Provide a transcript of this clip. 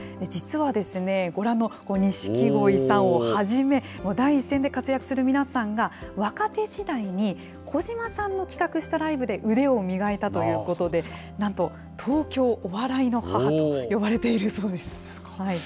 実は、ご覧の錦鯉さんをはじめ、第一線で活躍する皆さんが、若手時代に児島さんの企画したライブで腕を磨いたということで、なんと、東京お笑いの母と呼ばれているそうです。